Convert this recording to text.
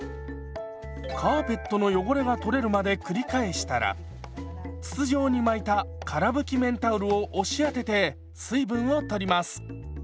カーペットの汚れが取れるまで繰り返したら筒状に巻いたから拭き綿タオルを押し当てて水分を取ります。